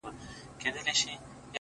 سیاه پوسي ده _ دا دی لا خاندي _